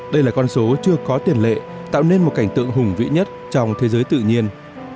đây là con số chưa có tiền lệ tạo nên một cảnh tượng hùng vĩ nhất trong thế giới tự nhiên